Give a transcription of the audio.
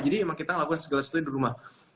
jadi emang kita ngelakuin segala sesuatu di rumah